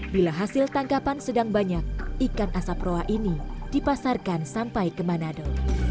bila hasil tangkapan sedang banyak ikan asap roa ini dipasarkan sampai ke manado